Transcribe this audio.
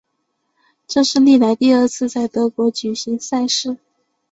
这是历来第二次在德国举行赛事。